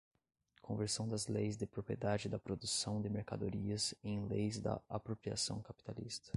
Conversão das leis de propriedade da produção de mercadorias em leis da apropriação capitalista